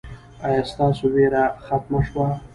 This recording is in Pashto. ایا ستاسو ویره ختمه شوه؟